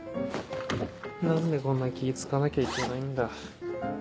何でこんな気ぃ使わなきゃいけないんだ。